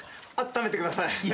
あっためてください。